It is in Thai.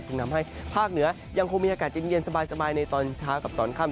ทำให้ภาคเหนือยังคงมีอากาศเย็นสบายในตอนเช้ากับตอนค่ำ